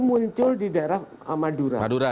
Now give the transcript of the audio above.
muncul di daerah madura